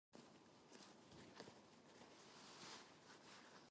She also credited the team as "out playing" them.